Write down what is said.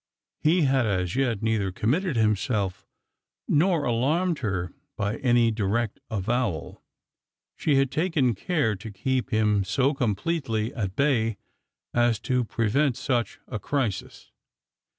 He had as yet neither committed himself, nor alarmed her by any direct avowal ; she had taken care to keep him so completely at bay as to prevent such a crisis.